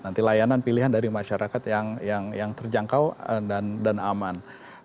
nanti layanan pilihan dari masyarakat yang terjangkau dan aman